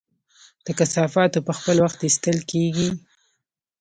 د کثافاتو په خپل وخت ایستل کیږي؟